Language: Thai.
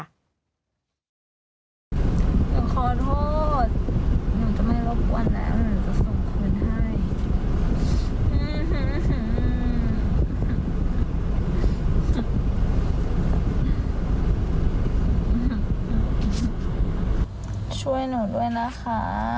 หนูขอโทษหนูจะไม่รบกวนแล้ว